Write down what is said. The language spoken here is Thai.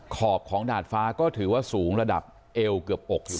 ขอบของดาดฟ้าก็ถือว่าสูงระดับเอวเกือบอกอยู่